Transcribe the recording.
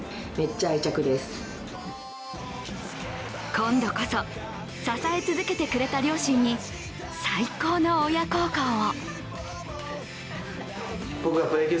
今度こそ、支え続けてくれた両親に最高の親孝行を。